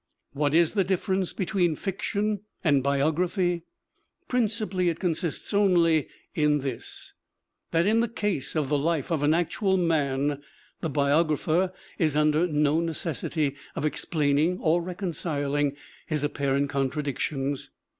What is the difference between fiction and biography? Principally it consists only in this, that in the case of the life of an actual man the biographer is under no necessity of explaining or rec onciling his apparent contradictions.